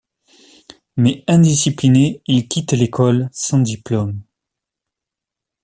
Mais indiscipliné, il quitte l'école sans diplôme.